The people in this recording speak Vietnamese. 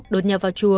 đột nhập vào chùa